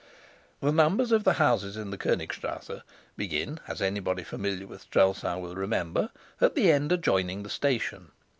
The numbers of the houses in the Konigstrasse begin, as anybody familiar with Strelsau will remember, at the end adjoining the station.